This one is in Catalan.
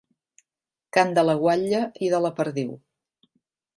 Cant de la guatlla i de la perdiu.